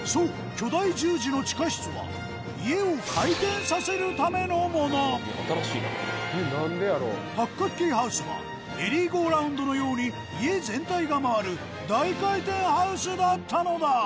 巨大十字の地下室は八角形ハウスはメリーゴーラウンドのように家全体が回る大回転ハウスだったのだ！